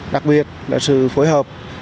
đặc biệt là sự phối hợp